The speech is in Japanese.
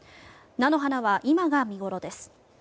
菜の花は今が見頃です。